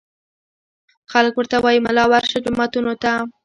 خلک ورته وايي ملا ورشه جوماتونو ته